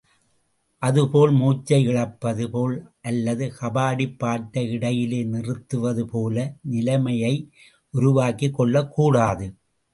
அதுபோல் மூச்சை இழப்பது போல் அல்லது கபாடிப் பாட்ை இடையிலே நிறுத்துவது போல நிலைமையை உருவாக்கிக்கொள்ளக் கூடாது.